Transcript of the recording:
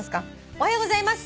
「おはようございます」